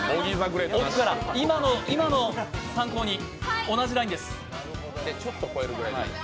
奥から今のを参考に、同じラインです。